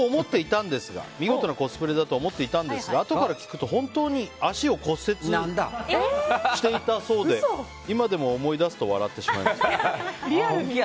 見事なコスプレだと思っていたんですがあとから聞くと本当に足を骨折していたそうで今でも思い出すと笑ってしまいます。